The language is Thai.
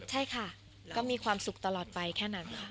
ใช่ค่ะก็มีความสุขตลอดไปแค่นั้นค่ะ